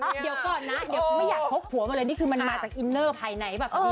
เดี๋ยวก่อนนะเดี๋ยวไม่อยากพกผัวมาเลยนี่คือมันมาจากอินเนอร์ภายในป่ะคะพี่